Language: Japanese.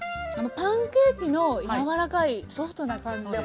パンケーキの柔らかいソフトな感じで。